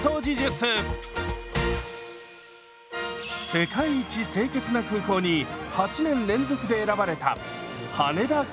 「世界一清潔な空港」に８年連続で選ばれた羽田空港。